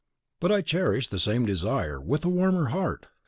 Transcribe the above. But I cherish the same desire, with a warmer heart.